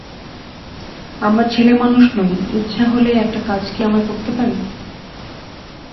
আমরা ছেলেমানুষ নই, ইচ্ছে হলেই একটা কাজ কি আমরা করতে পারি?